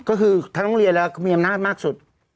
ก็คือทั้งโรงเรียนแล้วก็มีอำนาจมากสุด